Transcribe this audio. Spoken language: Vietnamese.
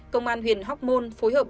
công an huyện hoc mon phối hợp